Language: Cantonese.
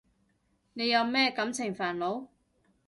你有咩感情煩惱？